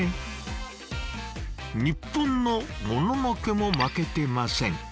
日本のモノノケも負けてません。